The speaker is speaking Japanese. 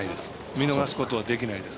見逃すことができないです。